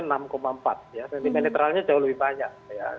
sentimen netralnya jauh lebih banyak